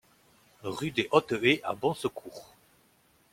Rue des Hautes Haies à Bonsecours